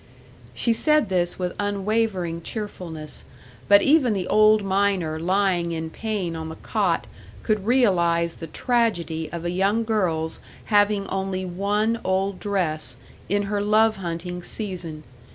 She said this with unwavering cheerfulness; but even the old miner lying in pain on the cot could realise the tragedy of a young girl's having only one old dress in her love hunting season.